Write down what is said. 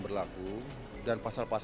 kores jakarta barat